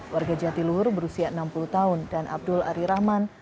warga jatiluhur berusia enam puluh tahun dan abdul ari rahman